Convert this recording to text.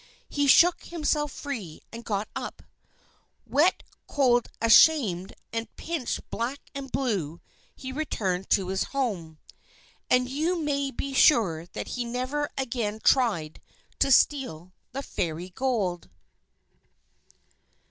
He shook himself free, and got up. Wet, cold, ashamed, and pinched black and blue, he returned to his home. And you may be sure that he never again tried to steal the Fairy Gold.